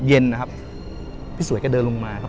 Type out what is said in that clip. เย็นนะครับพี่สวยก็เดินลงมาครับ